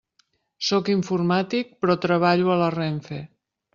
Sóc informàtic, però treballo a la RENFE.